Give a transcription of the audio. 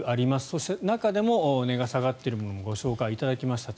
そして、中でも値が下がっているものもご紹介いただきました。